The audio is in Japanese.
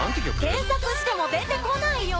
検索しても出て来ないよ！